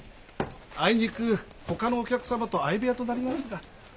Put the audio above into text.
あいにくほかのお客様と相部屋となりますが。